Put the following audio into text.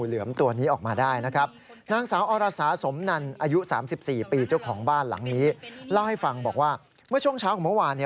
เล่าให้ฟังบอกว่าเมื่อช่วงเช้าของเมื่อวาน